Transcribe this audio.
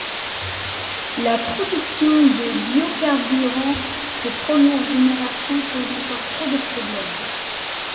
La production de biocarburants de première génération pose encore trop de problèmes.